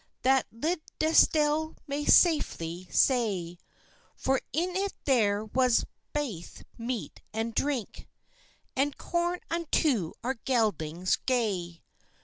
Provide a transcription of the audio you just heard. That Liddesdale may safely say: For in it there was baith meat and drink, And corn unto our geldings gay.